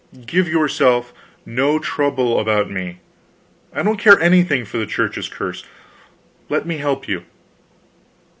"Give yourself no trouble about me; I don't care anything for the Church's curse. Let me help you."